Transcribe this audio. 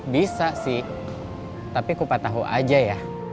bisa sih tapi kupat tahu aja ya